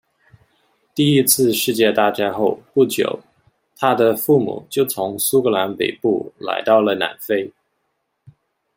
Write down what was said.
第一次世界大战后不久他的父母就从苏格兰北部来到了南非。